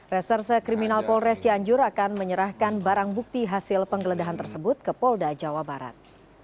reserse kriminal polres cianjur akan menyerahkan barang bukti hasil penggeledahan tersebut ke polda jawa barat